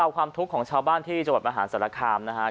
ความทุกข์ของชาวบ้านที่จะประหารสระค้าอ่า